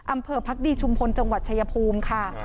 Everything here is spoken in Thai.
อำเภอภักดีชุมพลจังหวัดชายภูมิค่ะ